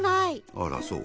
あらそう？